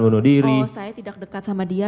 bunuh diri oh saya tidak dekat sama dia